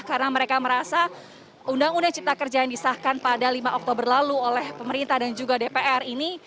karena mereka merasa undang undang cipta kerja yang disahkan pada lima oktober lalu oleh pemerintah dan juga dpr ini